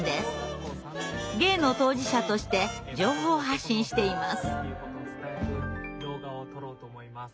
ゲイの当事者として情報発信しています。